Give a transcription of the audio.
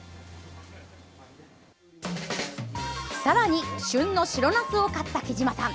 さらに旬の白なすを買ったきじまさん。